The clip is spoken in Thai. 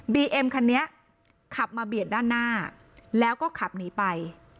เอ็มคันนี้ขับมาเบียดด้านหน้าแล้วก็ขับหนีไป